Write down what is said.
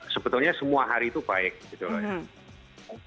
sebetulnya semua hari itu baik gitu loh ya